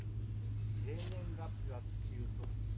生年月日はっていうと。